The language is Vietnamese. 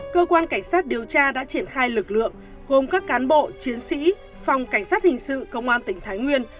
cơ quan cảnh sát điều tra đã triển khai lực lượng gồm các cán bộ chiến sĩ phòng cảnh sát hình sự công an tỉnh thái nguyên